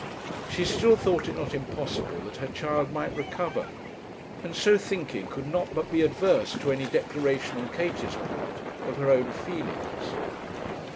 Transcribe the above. She still thought it not impossible that her child might recover, and so thinking could not but be adverse to any declaration on Katie's part of her own feelings.